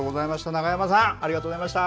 永山さん、ありがとうございました。